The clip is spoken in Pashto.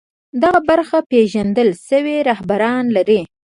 دغه برخه پېژندل شوي رهبران لري